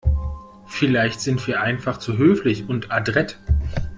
Vielleicht sind wir einfach zu höflich und adrett.